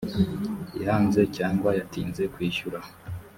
yanze cyangwa yatinze kwishyura